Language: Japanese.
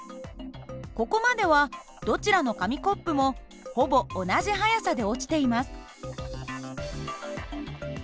ここまではどちらの紙コップもほぼ同じ速さで落ちています。